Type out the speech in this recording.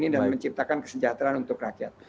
dan menciptakan kesejahteraan untuk rakyat